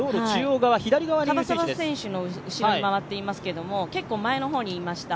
樺沢選手の後ろに回っていますが、結構前の方にいました。